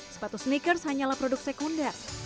sepatu sneakers hanyalah produk sekunder